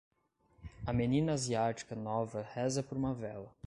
A menina asiática nova reza por uma vela.